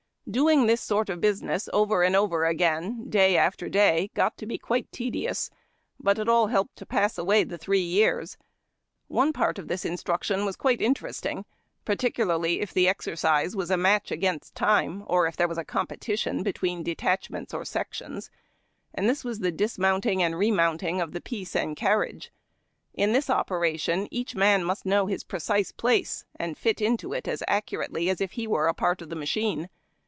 Doiug this sort of business over and over again, day after day, got to be quite tedious, but it all helped to pass away the three years. One part of tliis instruction was quite interesting, particulai ly if the exercise was a match against time, or if there was competition between detachments or sections ; this was the dismounting and remounting the piece and carriage. In this operation each man must know Ins precise place, and fit into it as accurately as if he were a part of a machine.